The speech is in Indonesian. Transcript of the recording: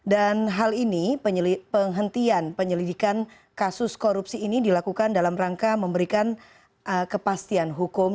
dan hal ini penghentian penyelidikan kasus korupsi ini dilakukan dalam rangka memberikan kepastian hukum